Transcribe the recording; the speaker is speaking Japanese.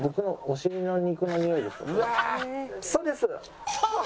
そうです。